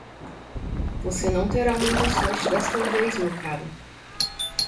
Você não terá muita sorte desta vez, meu caro.